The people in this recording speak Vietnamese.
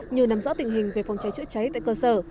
như nằm rõ tình hình về phòng cháy chữa cháy tại cơ sở